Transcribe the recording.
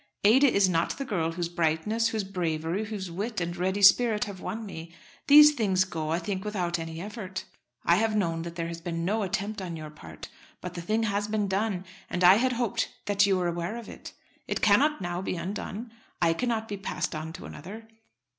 Ada is not the girl whose brightness, whose bravery, whose wit and ready spirit have won me. These things go, I think, without any effort. I have known that there has been no attempt on your part; but the thing has been done and I had hoped that you were aware of it. It cannot now be undone. I cannot be passed on to another.